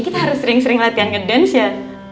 kita harus sering sering latihan ke dance ya